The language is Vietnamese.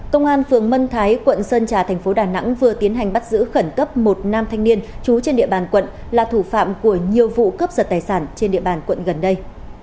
công an phường mân thái quận sơn trà thành phố đà nẵng vừa tiến hành bắt giữ khẩn cấp một nam thanh niên trú trên địa bàn quận là thủ phạm của nhiều vụ cướp giật tài sản trên địa bàn quận gần đây